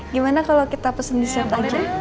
gimana kalau kita pesen disert aja